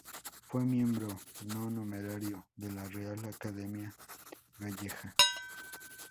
Fue miembro no numerario de la Real Academia Gallega.